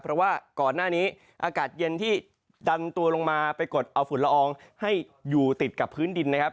เพราะว่าก่อนหน้านี้อากาศเย็นที่ดันตัวลงมาไปกดเอาฝุ่นละอองให้อยู่ติดกับพื้นดินนะครับ